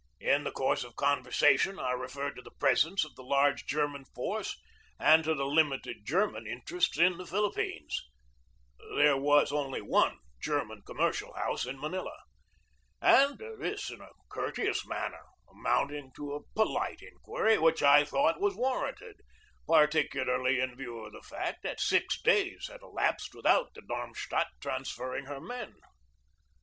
In the course of conversation I referred to the presence of the large German force and to the limited German interests in the Philip pines (there was only one German commercial house in Manila), and this in a courteous manner, amount ing to a polite inquiry which I thought was war ranted, particularly in view of the fact that six days had elapsed without the Darmstadt transferring her men.